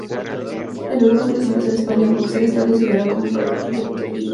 En algunos municipios de España el bóxer está considerado como un perro potencialmente peligroso.